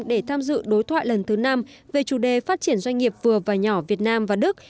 để tham dự đối thoại lần thứ năm về chủ đề phát triển doanh nghiệp vừa và nhỏ việt nam và đức